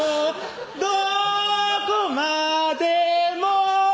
「どこまでも」